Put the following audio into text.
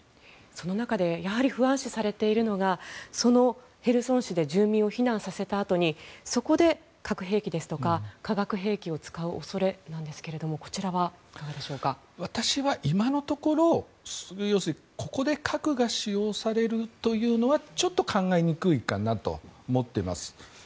その中でやはり不安視されているのがヘルソン市で住民を避難させたあとにそこで核兵器ですとか化学兵器を使う恐れなんですが私は、今のところここで核が使用されるというのはちょっと考えにくいかなと思っています。